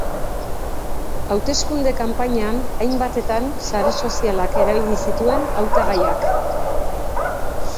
Hauteskunde kanpainan hainbatetan sare sozialak erabili zituen hautagaiak.